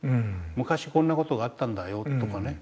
昔こんな事があったんだよとかね